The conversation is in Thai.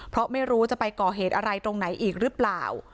เพราะไม่รู้จะไปก่อเหตุอะไรตรงไหนอีกหรือเปล่า